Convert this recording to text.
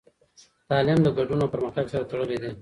تعلیم د ګډون او پرمختګ سره تړلی دی.